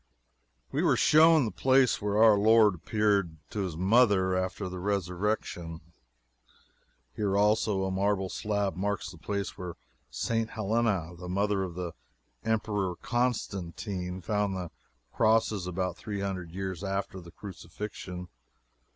We were shown the place where our Lord appeared to His mother after the Resurrection. Here, also, a marble slab marks the place where St. Helena, the mother of the Emperor Constantine, found the crosses about three hundred years after the Crucifixion.